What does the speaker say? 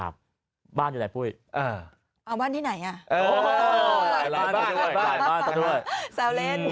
บ้านตัวไหนน่ะ